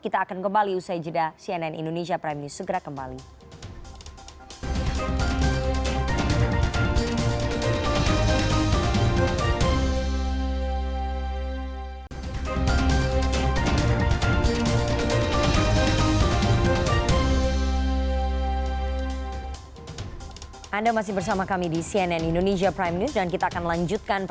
kita akan kembali usai jeda